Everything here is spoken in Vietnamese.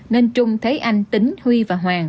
nên trung thế anh tín huy và hoàng